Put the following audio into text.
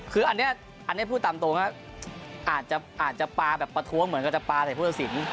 คืออันนี้ภูตามโตอาจจะปาแบบประถวงเหมือนกับปาใส่ผู้จัดสิน